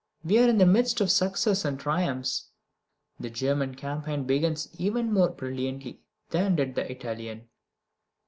We are in the midst of success and triumphs. The German campaign begins even more brilliantly than did the Italian.